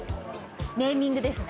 ネーミングですね。